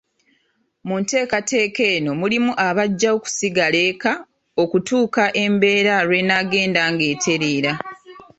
Mu nteekateka eno mulimu abajja okusigala eka okutuuka embeera lw'enaagenda ng'etereera.